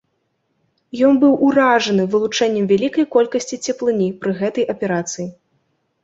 Ён быў уражаны вылучэннем вялікай колькасці цеплыні пры гэтай аперацыі.